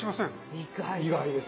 意外です。